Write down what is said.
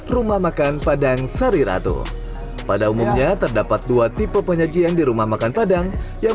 rumah makan padang sariratu pada umumnya terdapat dua tipe penyajian di rumah makan padang yang